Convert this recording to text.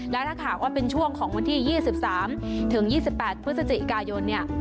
และถ้าข่าวว่าเป็นช่วงของวันที่ยี่สิบสามถึงยี่สิบแปดภศจิกายนเนี่ย